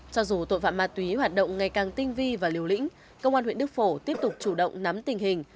cho dù tội phạm ma túy hoạt động ngày càng tinh vi và liều lĩnh công an huyện đức phổ tiếp tục chủ động nắm tình hình